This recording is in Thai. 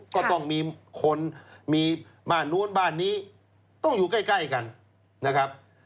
ก็ต้องมีคนมีบ้านนู้นบ้านนี้ต้องอยู่ใกล้กันนะครับ